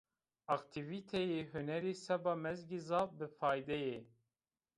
Aktîvîteyê hunerî seba mezgî zaf bifayde yê